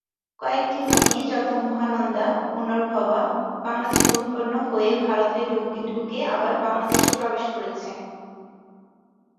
কয়েকটি নদী যথা- মহানন্দা, পুনর্ভবা বাংলাদেশে উৎপন্ন হয়ে ভারতে ঢুকে আবার বাংলাদেশে প্রবেশ করেছে।